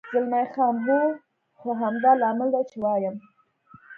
زلمی خان: هو، خو همدا لامل دی، چې وایم.